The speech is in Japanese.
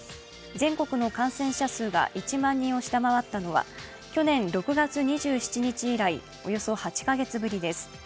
全国の感染者数が１万人を下回ったのは去年６月２７日以来およそ８か月ぶりです。